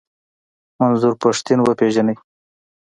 منظور پښتين و پېژنئ.